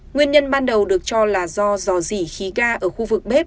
nguyên nhân ban đầu được cho là do giò rỉ khí ga ở khu vực bếp